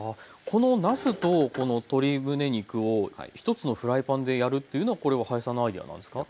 このなすとこの鶏むね肉を一つのフライパンでやるっていうのはこれは林さんのアイデアなんですか？